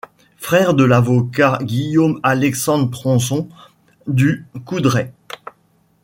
Frère de l'avocat Guillaume Alexandre Tronson du Coudray.